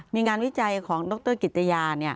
มีงานวิจัยของดรกิตยา